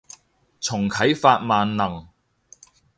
重啟法萬能